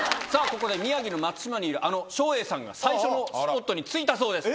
ここで宮城の松島にいるあの照英さんが最初のスポットに着いたそうです